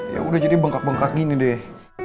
yaudah jadi bengkak bengkak gini deh